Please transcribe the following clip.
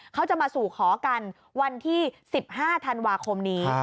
เขาจะมาสู่ขอกันวันที่๑๕ธันวาคมนี้